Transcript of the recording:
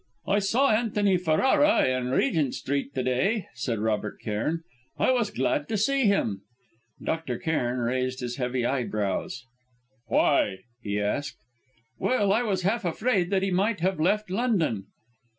"I saw Antony Ferrara in Regent Street to day," said. Robert Cairn. "I was glad to see him." Dr. Cairn raised his heavy brows. "Why?" he asked. "Well, I was half afraid that he might have left London."